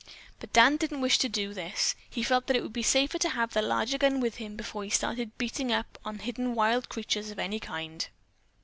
But Dan didn't wish to do this. He felt that it would be safer to have the larger gun with him before he started beating up hidden wild creatures of any kind.